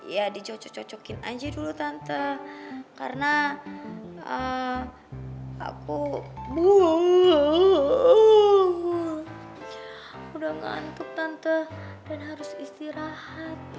ya dicocok cocokin aja dulu tante karena akumu udah ngantuk tante dan harus istirahat